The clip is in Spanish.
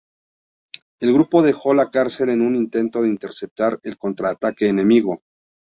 El grupo dejó la cárcel en un intento de interceptar el contraataque enemigo.